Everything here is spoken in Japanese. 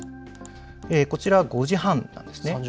こちらは５時半なんです。